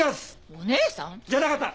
お義姉さん？じゃなかった。